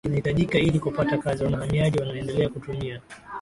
kinahitajika ili kupata kazi Wahamiaji wanaendelea kutumia